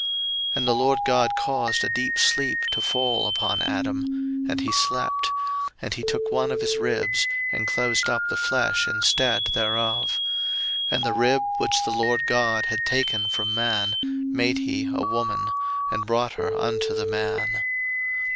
01:002:021 And the LORD God caused a deep sleep to fall upon Adam, and he slept: and he took one of his ribs, and closed up the flesh instead thereof; 01:002:022 And the rib, which the LORD God had taken from man, made he a woman, and brought her unto the man.